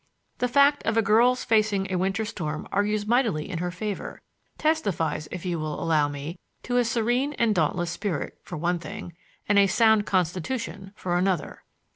The fact of a girl's facing a winter storm argues mightily in her favor,—testifies, if you will allow me, to a serene and dauntless spirit, for one thing, and a sound constitution, for another.